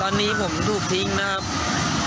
ตอนนี้ผมถูกทิ้งนะครับ